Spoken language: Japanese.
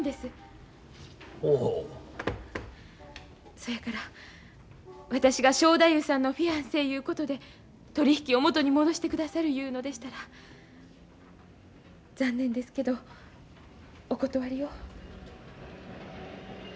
そやから私が正太夫さんのフィアンセいうことで取り引きを元に戻してくださるいうのでしたら残念ですけどお断りを。